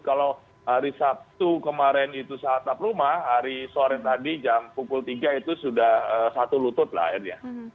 kalau hari sabtu kemarin itu saat aprumah hari sore tadi jam pukul tiga itu sudah satu lutut lah airnya